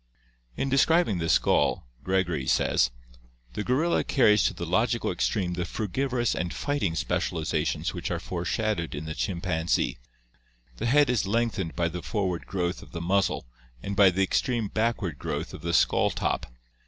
In describing the skull (see Fig. 239) Gregory says: "The gorilla carries to the logical extreme the frugivorous and fighting speciali zations which are foreshadowed in the chimpanzee. The head is lengthened by the forward growth of the muzzle and by the ex treme backward growth of the skull top.